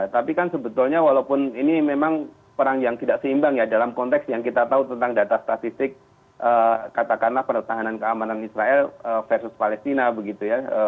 tapi kan sebetulnya walaupun ini memang perang yang tidak seimbang ya dalam konteks yang kita tahu tentang data statistik katakanlah pertahanan keamanan israel versus palestina begitu ya